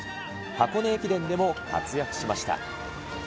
箱根駅伝でも活躍しました。